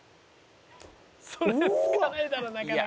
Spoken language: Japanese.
「それ付かないだろなかなか。